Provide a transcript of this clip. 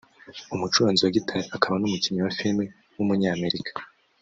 umucuranzi wa guitar akaba n’umukinnyi wa film w’umunyamerika